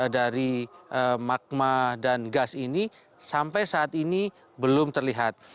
jadi magma dan gas ini sampai saat ini belum terlihat